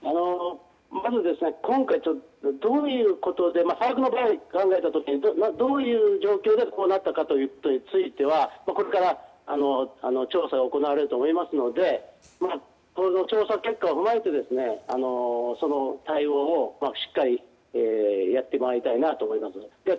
まず今回どのようなことでどういう状況でこうなったかということについては、これから調査が行われると思いますので調査結果を踏まえて対応をしっかりやってもらいたいなと思いますね。